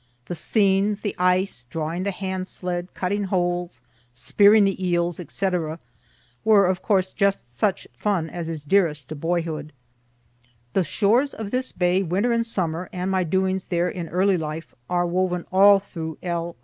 The scenes, the ice, drawing the hand sled, cutting holes, spearing the eels, &c., were of course just such fun as is dearest to boyhood. The shores of this bay, winter and summer, and my doings there in early life, are woven all through L.